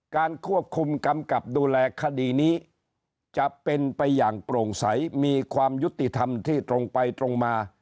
การควบคุมกำกับดูแลคดีนี้จะเป็นไปอย่างโปร่งใสมีความยุติธรรมที่ตรงไปตรงมา